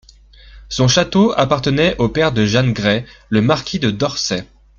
Son château appartenait au père de Jeanne Grey, le marquis de Dorset.